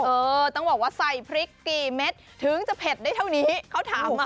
เออต้องบอกว่าใส่พริกกี่เม็ดถึงจะเผ็ดได้เท่านี้เขาถามมา